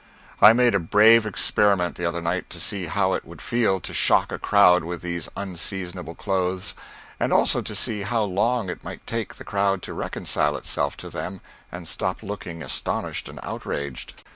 I made a brave experiment, the other night, to see how it would feel to shock a crowd with these unseasonable clothes, and also to see how long it might take the crowd to reconcile itself to them and stop looking astonished and outraged.